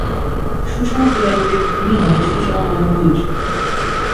সুষম পিরামিডের ভূমি হবে সুষম বহুভুজ।